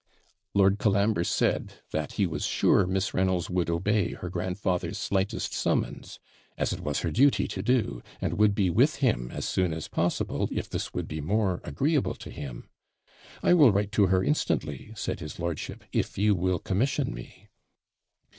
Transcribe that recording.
Lord Colambre said, that he was sure Miss Reynolds would obey her grandfather's slightest summons, as it was her duty to do, and would be with him as soon as possible, if this would be more agreeable to him. 'I will write to her instantly,' said his lordship, 'if you will commission me.'